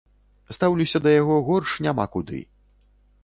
Стаўлюся да яго горш няма куды.